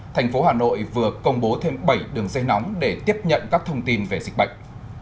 thành phố hà nội vừa công bố thêm bảy đường dây nóng để tiếp nhận các thông tin về dịch bệnh